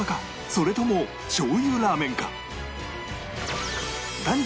それともしょう油ラーメンか？